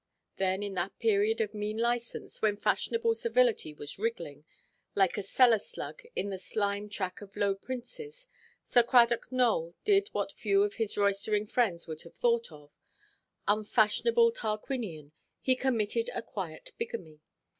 Then, in that period of mean license, when fashionable servility was wriggling, like a cellar–slug, in the slime–track of low princes, Sir Cradock Nowell did what few of his roystering friends would have thought of—unfashionable Tarquinian, he committed a quiet bigamy.